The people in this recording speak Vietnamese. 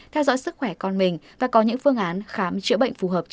theo dõi sức khỏe con mình và có những phương án khám chữa bệnh phù hợp cho trẻ